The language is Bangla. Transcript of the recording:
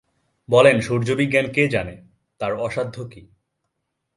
বলেন, সূর্যবিজ্ঞান যে জানে, তার অসাধ্য কী?